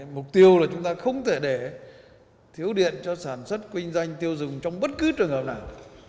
mục tiêu là chúng ta không thể để thiếu điện cho sản xuất kinh doanh tiêu dùng trong bất cứ trường hợp nào